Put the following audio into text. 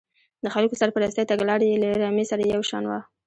د خلکو سرپرستۍ تګلاره یې له رمې سره یو شان وه.